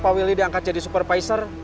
pak willy diangkat jadi supervisor